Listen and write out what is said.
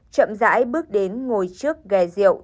chậm dãi bước đến ngồi trước ghè rượu